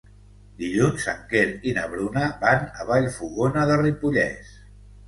Dilluns en Quer i na Bruna van a Vallfogona de Ripollès.